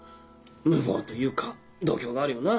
無謀というか度胸があるよな。